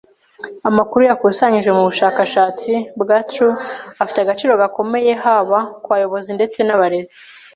Amakuru yakusanyijwe mubushakashatsi bwa Tyrel afite agaciro gakomeye haba kubayobozi ndetse nabarezi